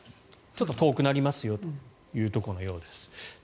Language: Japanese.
ちょっと遠くなりますよということのようです。